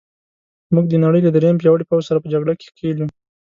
موږ د نړۍ له درېیم پیاوړي پوځ سره په جګړه کې ښکېل یو.